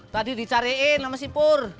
tadi dicariin sama si pur